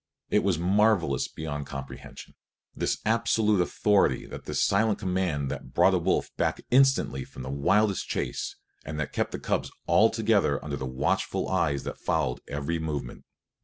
It was marvelous beyond comprehension, this absolute authority and this silent command that brought a wolf back instantly from the wildest chase, and that kept the cubs all together under the watchful eyes that followed every movement.